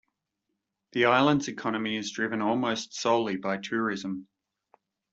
The island's economy is driven almost solely by tourism.